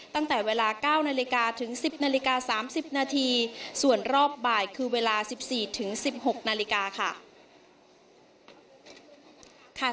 ตั้งแต่เวลา๙นาฬิกาถึง๑๐นาฬิกา๓๐นาทีส่วนรอบบ่ายคือเวลา๑๔ถึง๑๖นาฬิกาค่ะ